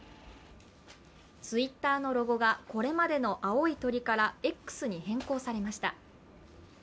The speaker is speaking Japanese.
Ｔｗｉｔｔｅｒのロゴがこれまでの青い鳥からＸに変更されました。